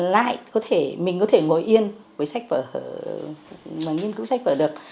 lại mình có thể ngồi yên với sách vở nghiên cứu sách vở được